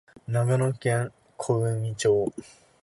長野県小海町